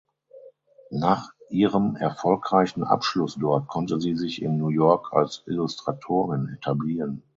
Nach ihrem erfolgreichen Abschluss dort konnte sie sich in New York als Illustratorin etablieren.